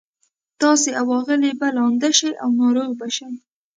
تاسي او آغلې به لانده شئ او ناروغه به شئ.